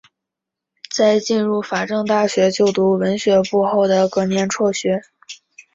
在进入法政大学就读文学部后的隔年辍学。